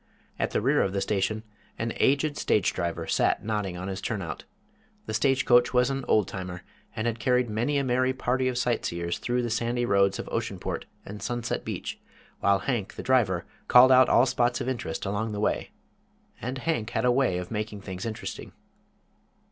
At the rear of the station an aged stage driver sat nodding on his turnout. The stage coach was an "old timer," and had carried many a merry party of sightseers through the sandy roads of Oceanport and Sunset Beach, while Hank, the driver, called out all spots of interest along the way. And Hank had a way of making things interesting.